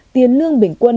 tiền lương bình quân